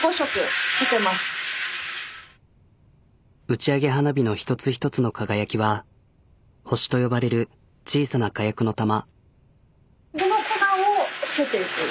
打ち上げ花火の一つ一つの輝きは星と呼ばれる小さな火薬の玉。